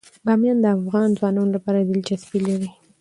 بامیان د افغان ځوانانو لپاره دلچسپي لري.